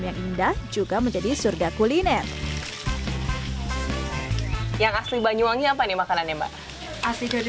yang indah juga menjadi surga kuliner yang asli banyuwangi apa nih makanannya mbak asli jadi